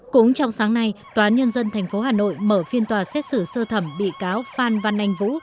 cũng trong sáng nay tòa án nhân dân tp hà nội mở phiên tòa xét xử sơ thẩm bị cáo phan văn anh vũ